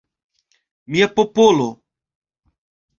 Mia popolo!